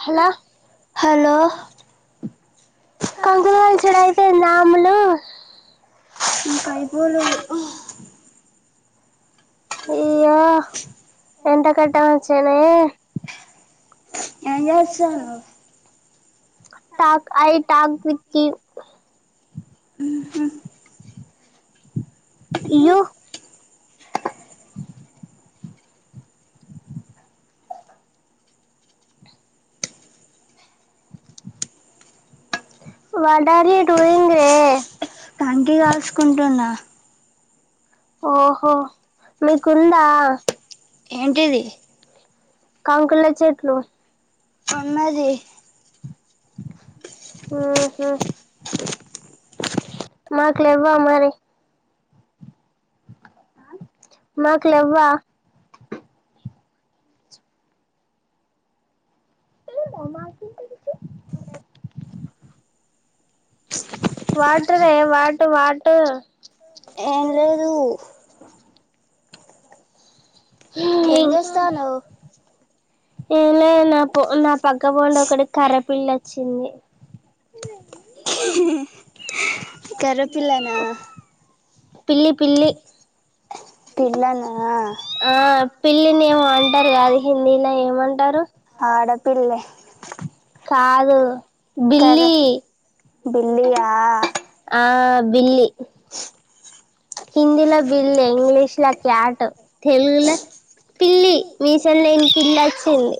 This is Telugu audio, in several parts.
హలో హలో కంకణాలు చేయడం అయిపోయిందా అమ్ములు అయ్య ఎంత కట్టం వచ్చేనే ఏం చేస్తున్నావ్ talk I talk with you you what are you doing రె కంకి కాలుసుకుంటున్నా ఓహో మీకు ఉందా ఏంటిది కంకుల చెట్లు అమ్మది ఉహు మాక్ లేవా అ మరి మాకు లెవ్వా ఏమో మాకు ఏం తెలుసు వాట్ రె వాటు వాటు ఏం లేదు ఏం చేస్తానవ్ ఏం లె నా పో నా పక్క పోండ ఒకడు కరేప్ పిల్లి అచ్చింది కర్రె పిల్లనా పిల్లి పిల్లి పిల్లనా పిల్లిని ఏమో అంటారు కాదు హిందీలా ఏమంటారు? ఆడపిల్లే కాదు కర బిల్లి యా బిల్లి హిందీలో బిల్లి, ఇంగ్లీష్ లో క్యాట్, తెలుగులో పిల్లి మీసమ్ లేని పిల్లి అచ్చింది.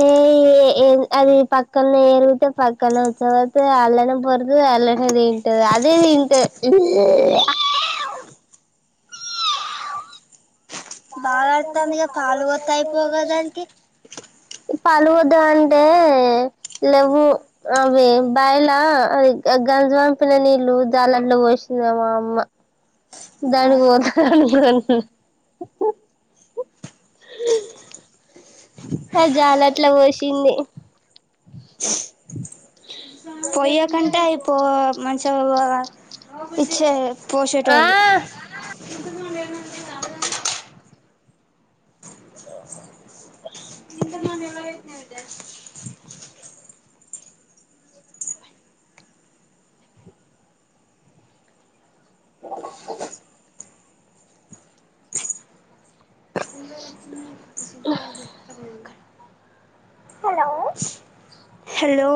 ఏ ఏ ఏ అది పక్కలో [unintelligible] పక్కలో [unintelligible] అలనే పోదు అల్ల అదేంటది అదే దెంట [unintelligible] పాలు వద్దు అంటే లెవ్వు అవి బయల్లా అది గంజు పంపిన నీళ్ళు జాలంట్లో పోసిందమా అమ్మ దానిని [unintelligible] [inaudible] అ జాల అట్లా పోసింది. ఉ జె పోయ్యకంటే అయిపో మంచిగా పో ఇచ్చే పోసేటోళ్ళు [unintelligible] [unintelligible] ఏందే [inaudible] జ్ఞ హలో హలో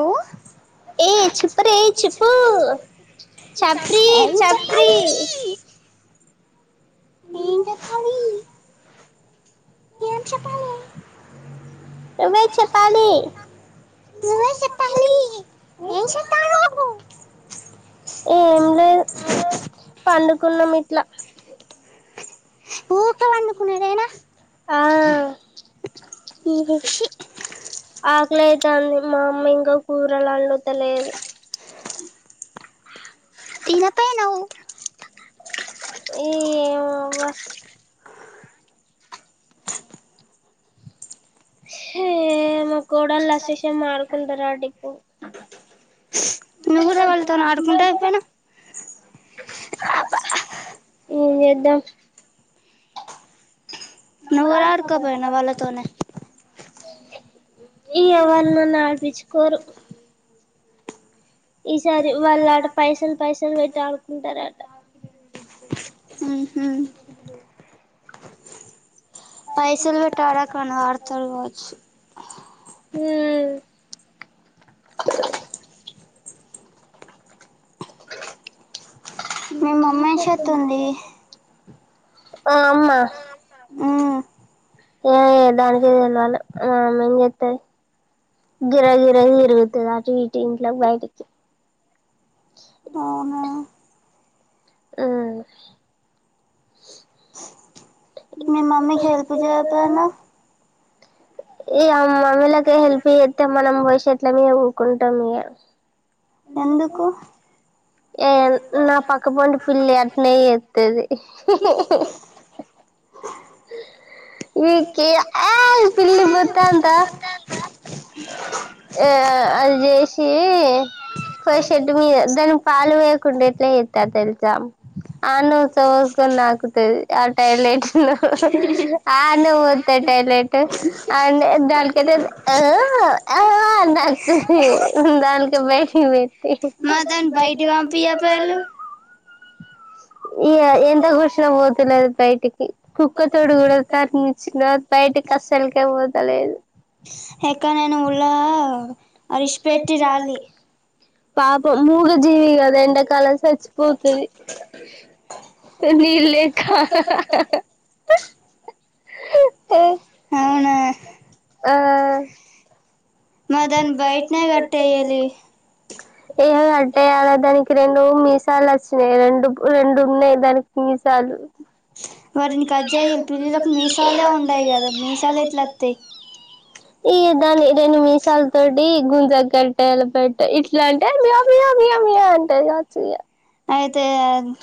ఏచుప్ రె చిప్పు చప్రి చప్రి ఏం చెప్పాలి ఏం చెప్పాలే నువ్వే చెప్పాలి. ఏం లేదు పండుకున్నాం ఇట్లా. ఊకా వన్నకునుదేనా ఆ ఇది చ్చి ఆకలియితే అంది. మా అమ్మ ఇంకా కూరలు వండుతలేదు. తినప్ప ఏనావు ఏమొ అవ్వ ఏ మా కూడాళ్ళ అసేషయం మారుకుంటారు అడిప్పు నువ్వురే వాళ్ళతో ఆడుకుంటా అయిపోయిన ఎమ్ చేద్దాం నువ్వు అడుకోబొయినవా వాళ్ళతోనే అవు [inaudible] ఎ వళ్ళు నన్ను ఆడిపించుకోరు ఈసారి వాళ్ళ అడ పైసలు పైసలు పెట్టి ఆడు కుంటార [inaudible] హ్మ్ చెప్పు [inaudible] పైసలు పెట్ట ఆడా కాన ఆడుతాడు కావచ్చు ఓ ఉన్ నీ కెట్లుంది ఒ అమ్మా ఓ దానికే తెలవాలి ఆ మెమ్ చెత్తాది గిరగిర తిరుగుతాది అటు ఇటు ఇంట్లో బయటికి ఆ మీ మమ్మీకి హెల్ప్ చేయిపొండి ఈ అమ్మా మ్మలకి హెల్ప్ చేస్తే మనం పోయి చెట్ల కింద కూకుంటాం ఇగా ఎందుకు ఏ నా పక్క పండు పిల్లి అట్నే చెత్తాది నీకి ఆవ్ పిల్లి బొత్తు అంత ఆ అది చేసి ఫస్ట్ షర్ట్ మీద దాన్ని పాలు వేయకుండా ఎట్లా చేత్తాదొ తెలుసా అన్నం వుచ్చ పోసుకొని నాకుతుంది ఆ టాయిలెట్ ను అన్నం పోస్తా టాయిలెట్ అన్న దానికైతే ఆ నాకుతాది దానికి బయటికీ పెట్టి బయట కు పాంపియా పొల్లు ఇ ఎంత ఘోషణ పోతలేదు బయటికి కుక్క తోడు కూడా తరనించినా బయటకి కసలకే పోతలేదు ఎక్కనైన ఊళ్ళో అడిష్ పెట్టి రావలి పాపం మూగ జీవి కదా ఎండ కాలం సచ్చ్ పోతాది నీళ్ళు లేక అవునా ఆ మదన్ బయట్నే కట్టేయాలి ఏ అట్టే అలా దానికి రెండు మీసాలు వచ్చినాయి రెండు రెండు ఉన్నాయి దానికి మీసాలు వాటిని కజ్జెయ్యాలి పిల్లలకు మీసాలే ఉండవు కదా మీసాలా ఎట్లా వత్తాయి ఈ దాని రెండు మీష్ మీసాల తోటి గుంజాకు కట్టేయాలి పెట్టి ఇట్లా అంటే మియా మియా మియా అంటది కావచ్చుగా అయితే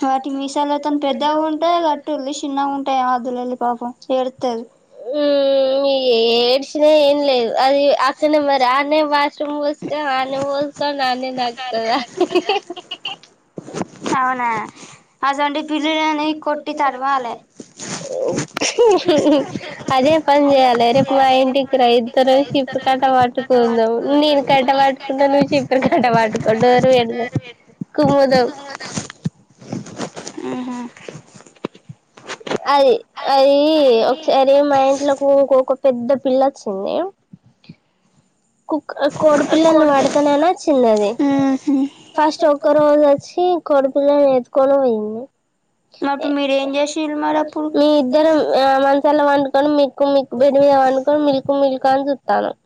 వాటి మీసాలతోనే పెద్దగా ఉంటాయి కట్టుళ్లి చిన్నగా ఉంటాయి అద్లల్లి పాపం ఏడుత్తాది హు యి ఏడ్చిన ఏం లేదు అది ఆ మరి ఆన్నే వాషరూమ్ పోస్తు ఆన్నే పోస్తోంది అన్నే నాకుతాద అవునా అదే పని చేయ్యాలె రేపు మా ఇంటికి రా ఇద్దరం చిపిరి కట్ట పట్టుకుందాం నేను కట్టే పట్టుకుంటా నువ్వు చీపిరి కట్ట పట్టుకో డోరు పెడుదాం కుమ్ముదం ఆహ అది అది ఒకసారి మా ఇంట్లోలకు ఒక పెద్ద పిల్లచ్చింది కుక్క కోడి పిల్లల్ని పడుతననీ వచ్చింది అది ఫస్ట్ ఒక్క రోజు వచ్చి కోడి పిల్లల్ని ఎతుకొని పోయిం ఉ ఏ మీ ఇద్దర ఆ మంచల పండు కొని మీ కుమి బెడ్ మీద పండుకొని మీల్క్ మిల్క్ కం సుతన్నం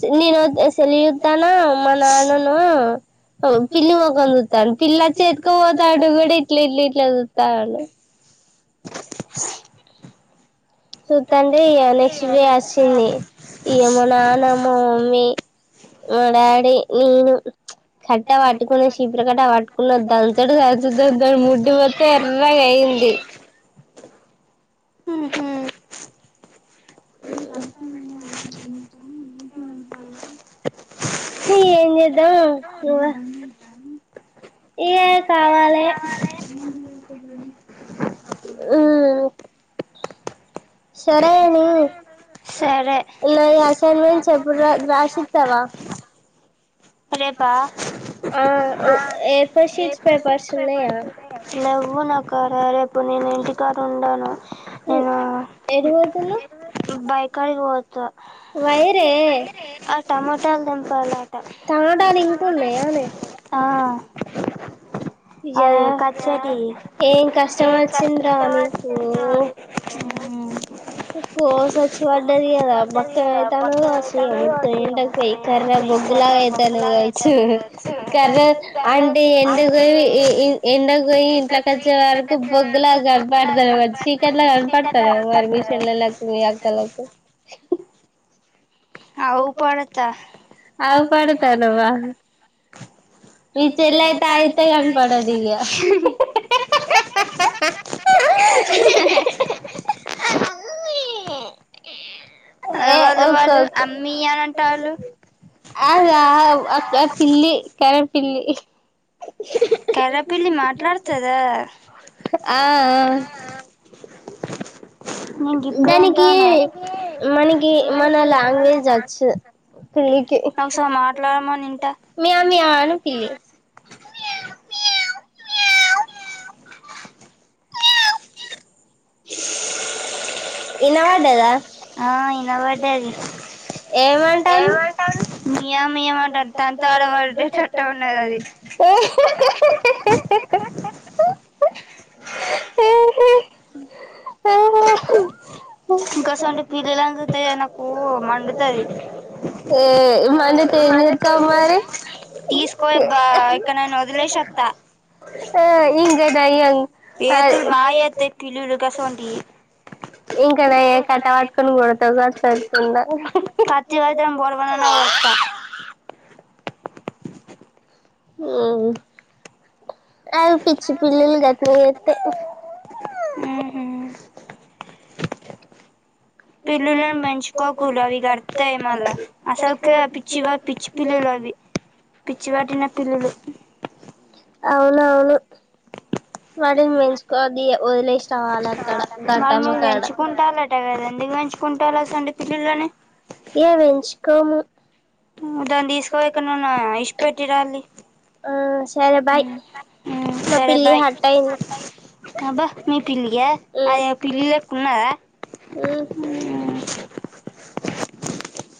చి నీనో సెల్ సుత్తన మా నాన్ననో పిల్లి మొకం చుతండు పిల్లచ్చి ఎత్తుకపోతంటే కూడా ఇట్లిట్లిట్ల చూతండు చూతంటే ఇగ నెక్స్ట్ డే వచ్చింది ఇగ మా నాన్న మా మమ్మీ మా డాడీ నేను కట్టే పట్టుకొని చింపిరి కట్టే పట్టుకున్నది దంచుడే దంచుదాం దాని ముడ్డి మొత్త ఎర్రాగయింది [inaudible] ఏం చేద్దాం ఉవ్వా ఏ కావాలే హ సరే గని నాయి అసైన్మెంట్ ఎప్పుడు రా రాశిత్తవా రేప ఆ లెవ్వు నాకాడ రేప్ ఇప్పుడు నేను ఇంటికాడుండను నేను బైకాడికి పోత ఆ టమాటాలు తెంపాలట ంటలింకున్నాయనే ఆ య్య ఏం కష్టం వచ్చిందిరా నీకు గోసచ్చి పడ్డది కదా బక్క అయితానవు కావచ్చు ఇగ మొత్తం ఎండకు పోయి కర్రే బొగ్గులాగా అయితానవు కావచ్చు కర్రే అంటే ఎండ వి యి ఎండకు పోయి ఇంట్లోకచ్చే వరకు బొగ్గులా కనపడతానవు కావచ్చు చీకట్ల కనపడుతనవా మరి మీ చెల్లలకు మీ అక్కలకు అవ్ పడుత ఏ ఊకో ఊకో ఆదా గా పిల్లి కర్ పిల్లి కర్రపిల్లి మాట్లాడుతుదా ఆ ఆ ఉమ్ దానికి మనకి మన లాంగ్వేజ్ వచ్చ పిల్లికి మ్యావ్ మ్యావ్ అను పిల్లి ఇనా వాడ్డేదా ఆ వినపడది మ్యావ్ మ్యావ్ అంటుంది తంత ఆడవాడి చట్టం ఉన్నది అది గ్యాస్ వంటి పిల్లుల్ని చూస్తే నాకు మండుతుంది తీసుకో బా ఇక్కడ నేను వదిలేసిత్తా ఏతులు బాగా చేస్తాయి పిల్లులు గ్యాస్ వంటియి ఇంకా న కట పట్టుకొని కూడాడత క సరుతుందా కతి వయితురం బర్వననా వర్త ఉమ్ అవి పిచ్చ పిల్లీలు గతలే చేస్తాయి అవునవును వాటిని పెంచుకోవదు వదిలేసి రావాలి అక్కడ గట్టమ్మ కాడ ఇ పెంచుకోము ఆ సరే బాయ్ ఉమ్ సరే బాయ్ అబా మీ పిల్లిగా అయ పిల్లల లేక ఉనాధ ఉమ్